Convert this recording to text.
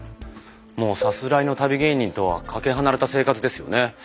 もうさすらいの旅芸人とはかけ離れた生活ですよね。